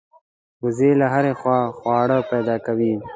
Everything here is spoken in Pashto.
وزې له هرې خوا خواړه پیدا کوي